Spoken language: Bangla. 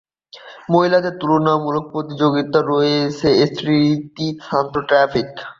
মহিলাদের সমতুল্য প্রতিযোগিতা হচ্ছে এস্পিরিতো সান্তো ট্রফি।